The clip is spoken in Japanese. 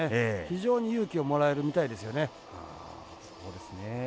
非常に勇気をもらえるみたいですよね。